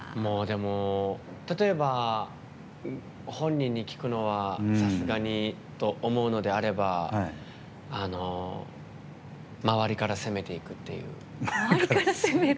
例えば、本人に聞くのはさすがにと思うのであれば周りから攻めていくっていう。